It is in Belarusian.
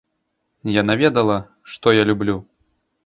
Яна ведала, што я люблю.